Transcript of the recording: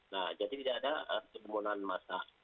nah jadi tidak ada kebohonan masa